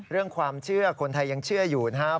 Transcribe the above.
เรื่องความเชื่อคนไทยยังเชื่ออยู่นะครับ